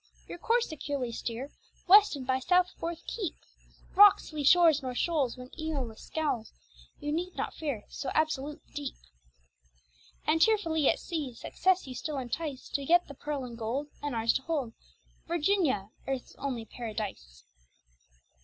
Your course securely steer, West and by south forth keep! Rocks, lee shores, nor shoals, When Eolus scowls, You need not fear, So absolute the deep. And cheerfully at sea, Success you still entice, To get the pearl and gold, And ours to hold Virginia, Earth's only paradise.